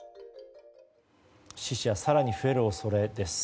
死者更に増える恐れです。